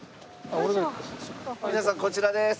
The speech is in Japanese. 皆さんこちらです。